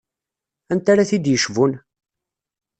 Anta ara t-id-yecbun?